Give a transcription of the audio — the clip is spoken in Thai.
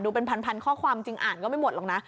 เป็นพันข้อความจริงอ่านก็ไม่หมดหรอกนะ